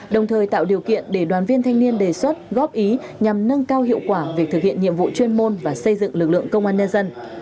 đồng thời tạo điều kiện để đoàn viên thanh niên đề xuất góp ý nhằm nâng cao hiệu quả việc thực hiện nhiệm vụ chuyên môn và xây dựng lực lượng công an nhân dân